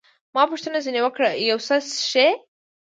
ما پوښتنه ځیني وکړل، یو څه څښئ؟